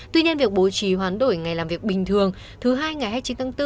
tuy nhiên việc bố trí hoán đổi ngày làm việc bình thường thứ hai ngày hai mươi chín tháng bốn